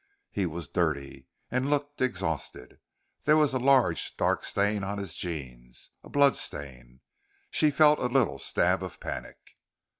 He was dirty and looked exhausted. There was a large dark stain on his jeans a bloodstain. She felt a little stab of panic.